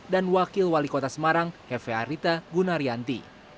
dan wakil wali kota semarang hefe arita gunarianti